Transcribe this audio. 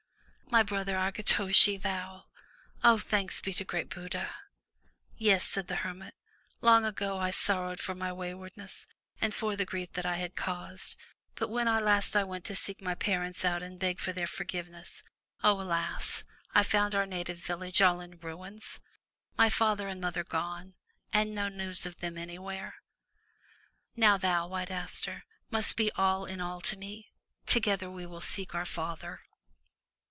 ''" My brother, Akitoshi, thou ! O thanks be to great Buddha !" "Yea," said the hermit. Long ago I sorrowed for my way wardness, and for the grief that I had caused. But when at last I went to seek my parents out and beg for their forgiveness, O alas! I found our native village all in ruins, my father and mother gone, and no news of them anywhere. Now thou. White Aster, must be all in all to me. Together we will seek our father."